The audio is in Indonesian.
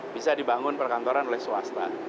bisa dibangun perkantoran oleh swasta